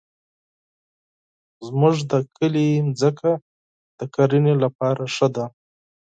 زمونږ د کلي مځکه د کرنې لپاره ښه ده.